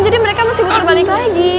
jadi mereka masih berterbalik lagi